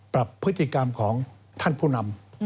ปรับพฤติกรรมของท่านผู้นำ